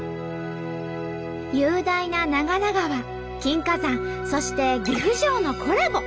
雄大な長良川金華山そして岐阜城のコラボ。